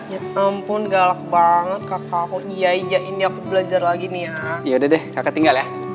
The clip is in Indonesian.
ya ampun galak banget kakak aku iya iya ini aku belajar lagi nih ya yaudah deh kakak tinggal ya